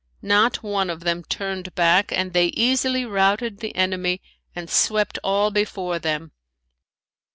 Not one of them turned back, and they easily routed the enemy and swept all before them.